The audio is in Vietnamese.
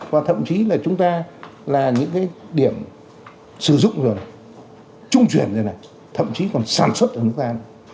và thậm chí là chúng ta là những cái điểm sử dụng rồi trung chuyển rồi này thậm chí còn sản xuất ở nước ta